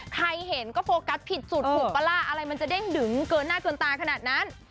ใครเห็นก็โฟกัสผิดจุดถูกปะล่ะอะไรมันจะเด้งดึงเกินหน้าเกินตาขนาดนั้น